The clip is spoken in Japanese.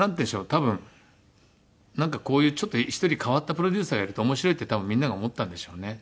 多分なんかこういうちょっと１人変わったプロデューサーがいると面白いって多分みんなが思ったんでしょうね。